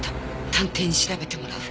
探偵に調べてもらう。